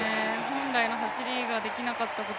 本来の走りができなかったこと